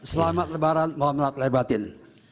selamat lebaran mohon lebatin